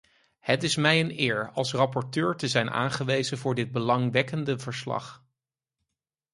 Het is mij een eer als rapporteur te zijn aangewezen voor dit belangwekkende verslag.